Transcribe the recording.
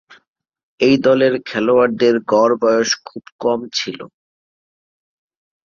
এই দলের খেলোয়াড়দের গড় বয়স খুব কম ছিল।